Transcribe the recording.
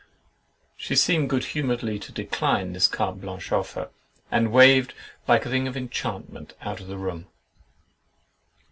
She seemed good humouredly to decline this carte blanche offer, and waved, like a thing of enchantment, out of the room.